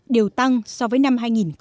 đều tăng so với năm hai nghìn một mươi tám